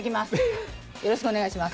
よろしくお願いします。